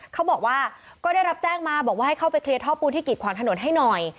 เขาบอกว่าก็ได้รับแจ้งมาบอกว่าให้เข้าไปเคลียร์ท่อปูนที่กิดขวางถนนให้หน่อย